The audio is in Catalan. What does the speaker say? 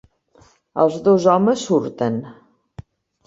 Els dos homes surten.